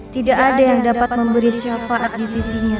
tidak ada yang dapat memberi syafaat di sisinya